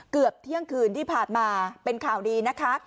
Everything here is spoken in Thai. เกือบเที่ยงคืนที่ผ่านมาเป็นข่าวดีนะคะ